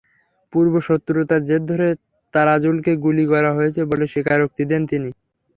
পূর্বশত্রুতার জের ধরে তারাজুলকে গুলি করা হয়েছে বলে স্বীকারোক্তি দেন তিনি।